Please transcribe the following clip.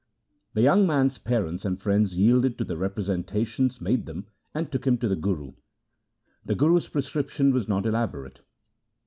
The young man's parents and friends yielded to the representations made them, and took him to the Guru. The Guru's prescription was not elaborate.